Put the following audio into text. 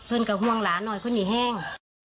เพื่อนกับห่วงหลานหน่อยเพื่อนนี่แห้ง